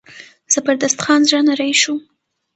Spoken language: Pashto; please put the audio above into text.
زبردست خان زړه نری شو.